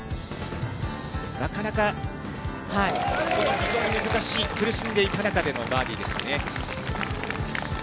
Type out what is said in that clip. なかなか非常に難しい、苦しんでいた中でのバーディーでしたね。